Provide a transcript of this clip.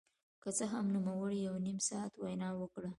که څه هم نوموړي يو نيم ساعت وينا وکړه.